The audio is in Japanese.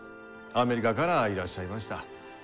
アメリカからいらっしゃいました。